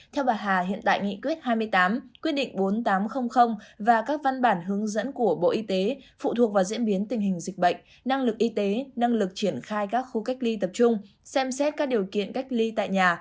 theo bà hà hiện tại nghị quyết hai mươi tám quyết định bốn nghìn tám trăm linh và các văn bản hướng dẫn của bộ y tế phụ thuộc vào diễn biến tình hình dịch bệnh năng lực y tế năng lực triển khai các khu cách ly tập trung xem xét các điều kiện cách ly tại nhà